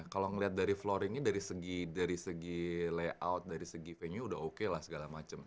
kalau ngeliat dari floaringnya dari segi layout dari segi venue udah oke lah segala macem